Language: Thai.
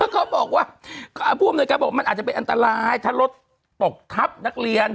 เขาบอกว่าผู้อำนวยการบอกมันอาจจะเป็นอันตรายถ้ารถตกทับนักเรียน